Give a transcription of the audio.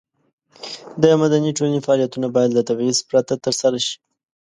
د مدني ټولنې فعالیتونه باید له تبعیض پرته ترسره شي.